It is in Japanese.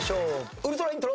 ウルトライントロ。